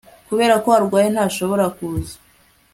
kubera ko arwaye, ntashobora kuza